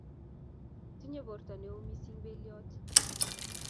Tinyei borto neo missing beliot